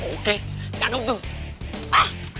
oke cakep tuh